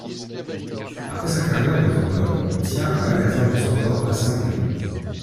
Après sa carrière de joueur, il tient un magasin de sports à Saint-Brieuc.